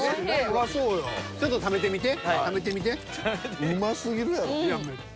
ちょっと食べてみて食べてみて。